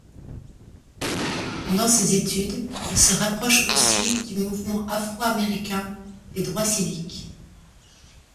Pendant ces études, il se rapproche aussi du Mouvement afro-américain des droits civiques.